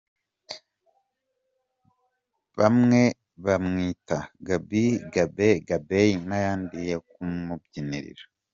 Bamwe bamwita , Gab, Gabe Gabey n’ayandi yo kumubyinirira.